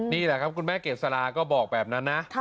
นี่แหละครับคุณแม่เกษราก็บอกแบบนั้นนะ